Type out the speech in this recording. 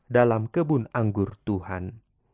dalam kebun anggur tuhan